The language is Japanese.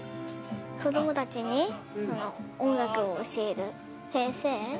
子どもたちに音楽を教える先生。